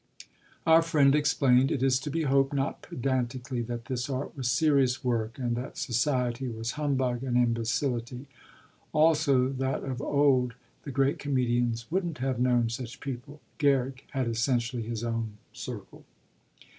Our friend explained it is to be hoped not pedantically that this art was serious work and that society was humbug and imbecility; also that of old the great comedians wouldn't have known such people. Garrick had essentially his own circle.